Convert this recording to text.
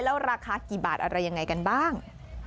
แล้วราคากี่บาทอะไรยังไงกันบ้าง